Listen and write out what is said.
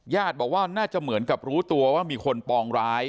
บอกว่าน่าจะเหมือนกับรู้ตัวว่ามีคนปองร้าย